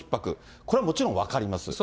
これはもちろん分かります。